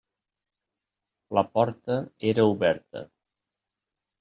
La porta era oberta.